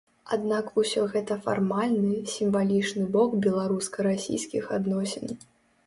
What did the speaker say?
Аднак усё гэта фармальны, сімвалічны бок беларуска-расійскіх адносін.